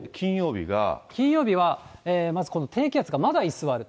金曜日は、まずこの低気圧がまだ居座る。